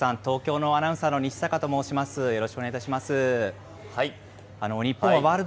廣瀬さん、東京のアナウンサーの西阪と申します。